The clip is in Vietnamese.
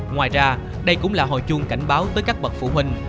ngoài ra đây cũng là hồi chuông cảnh báo tới các bậc phụ huynh